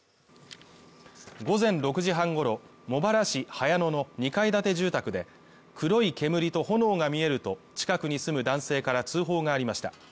午前６時半ごろ、茂原市早野の２階建て住宅で黒い煙と炎が見えると近くに住む男性から通報がありました。